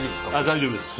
大丈夫ですか？